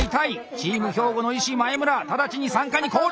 チーム兵庫の医師・前村直ちに産科にコール！